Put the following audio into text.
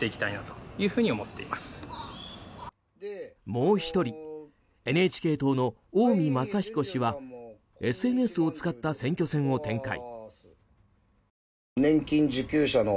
もう１人ＮＨＫ党の近江政彦氏はＳＮＳを使った選挙戦を展開。